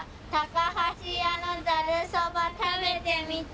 「橋家のざるそば食べてみて！」